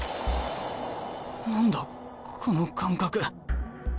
何だこの感覚。